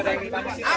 ada yang di depan sini